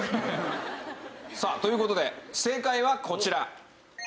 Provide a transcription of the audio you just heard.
さあという事で正解はこちら。